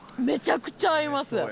めちゃくちゃ合います。